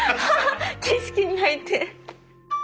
景色に入って。